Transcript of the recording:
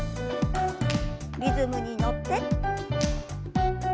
リズムに乗って。